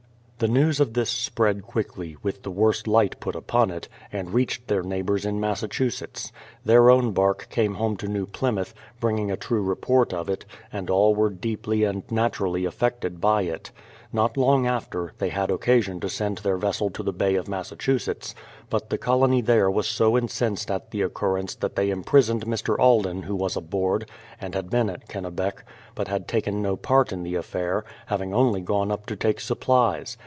The news of this spread quickly, with the worst light put upon it, and reached their neighbours in Massachusetts. Their own bark came home to New Plymouth, bringing a true report of it, and all were deeply and naturally affected by it. Not long after, they had occasion to send their vessel to the Bay of Massachusetts; but the colony tliere was so incensed at the occurrence that they imprisoned Mr. Alden who was aboard, and had been at Kennebec, but had taken no part in the affair, having only gone up to take supplies.